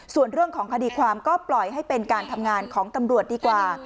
ส่วนเรื่องของคดีความก็ปล่อยให้เป็นการทำงานของตำรวจดีกว่า